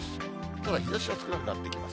ただ、日ざしは少なくなってきます。